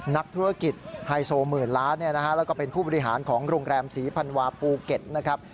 นักธุรกิจไฮโซหมื่นล้านแล้วก็เป็นผู้บริหารของโรงแรมศรีพันวาภูเก็ตนะครับ